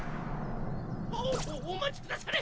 おお待ちくだされ！